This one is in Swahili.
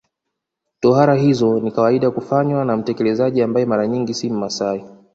Tohara hizo ni kawaida kufanywa na mtekelezaji ambaye mara nyingi si Mmasai